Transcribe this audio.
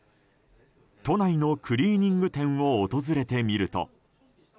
都内のクリーニング店を訪れてみると。